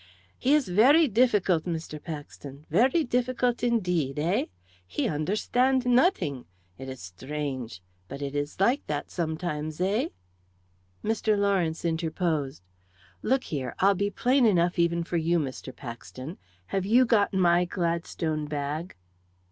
"He is very difficult, Mr. Paxton very difficult indeed, eh? He understand nothing. It is strange. But it is like that sometimes, eh?" Mr. Lawrence interposed. "Look here, I'll be plain enough, even for you, Mr. Paxton. Have you got my Gladstone bag?"